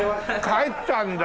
帰ったんだ。